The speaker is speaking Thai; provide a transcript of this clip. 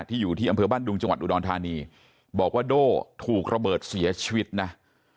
อยู่ที่อำเภอบ้านดุงจังหวัดอุดรธานีบอกว่าโด่ถูกระเบิดเสียชีวิตนะ